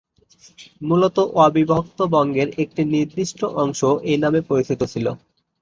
মূলত অবিভক্ত বঙ্গের একটি নির্দিষ্ট অংশ এই নামে পরিচিত ছিল।